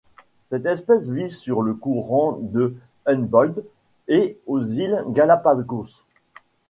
Cette espèce vit sur le courant de Humboldt et aux îles Galápagos.